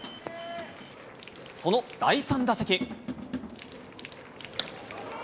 その第３打席。